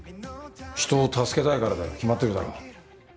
人を助けたいからだよ決まってるだろ。